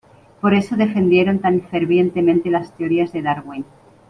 Por eso defendieron tan fervientemente las teorías de Darwin.